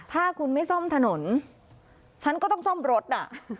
ถ้าคุณไม่ซ่อมถนนฉันก็ต้องซ่อมรถอ่ะ